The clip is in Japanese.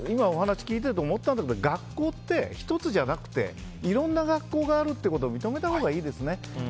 あと今お話聞いて思ったのが学校って１つじゃなくていろんな学校があるってことを認めたほうがいいですね。